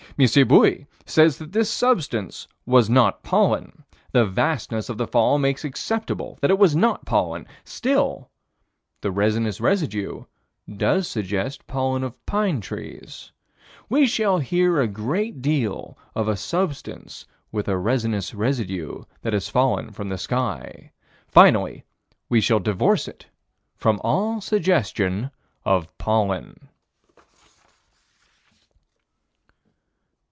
M. Bouis says that this substance was not pollen; the vastness of the fall makes acceptable that it was not pollen; still, the resinous residue does suggest pollen of pine trees. We shall hear a great deal of a substance with a resinous residue that has fallen from the sky: finally we shall divorce it from all suggestion of pollen.